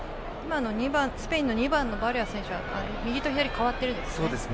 スペインの２番のバリャ選手は右と左が変わっているんですね。